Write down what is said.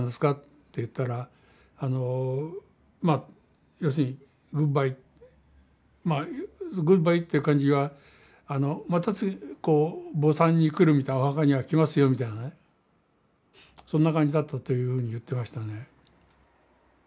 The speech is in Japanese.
って言ったらあのまあ要するにグッバイまあグッバイっていう感じはまた次墓参に来るみたいなお墓には来ますよみたいなねそんな感じだったというふうに言ってましたね。